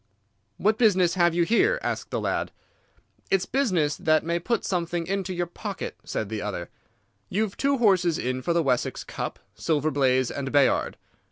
"'What business have you here?' asked the lad. "'It's business that may put something into your pocket,' said the other. 'You've two horses in for the Wessex Cup—Silver Blaze and Bayard.